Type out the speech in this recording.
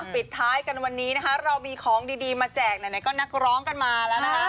ปิดท้ายกันวันนี้นะคะเรามีของดีมาแจกไหนก็นักร้องกันมาแล้วนะคะ